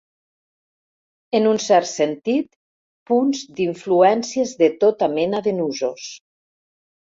En un cert sentit, punts d'influències de tota mena de nusos.